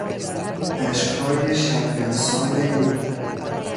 اشکهای شبنمسان او